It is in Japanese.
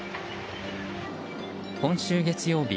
今週月曜日